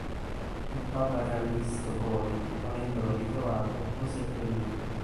Il Papa Callisto poi, avendolo ritrovato, lo seppellì.